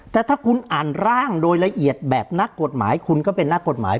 แต่ถ้าคุณอ่านร่างโดยละเอียดแบบนักกฎหมายคุณก็เป็นนักกฎหมาย